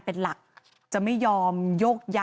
ปี๖๕วันเช่นเดียวกัน